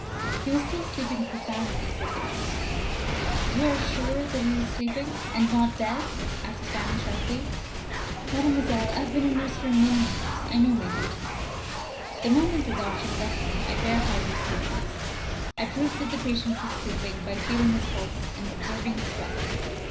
"He was still sleeping profoundly," said the nurse. "You are sure that he was sleeping, and not dead?" asked Fanny, sharply. "Mademoiselle, I have been a nurse for many years. I know my duties. The moment the doctor left me I verified his statements. I proved that the patient was sleeping by feeling his pulse and observing his breath."